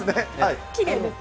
きれいですね。